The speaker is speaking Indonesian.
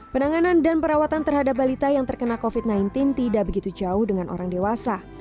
penanganan dan perawatan terhadap balita yang terkena covid sembilan belas tidak begitu jauh dengan orang dewasa